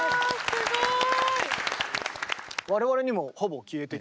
すごい。